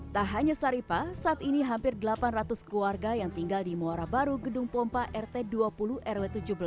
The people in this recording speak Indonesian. tak hanya saripa saat ini hampir delapan ratus keluarga yang tinggal di muara baru gedung pompa rt dua puluh rw tujuh belas